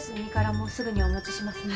すぐにお持ちしますね。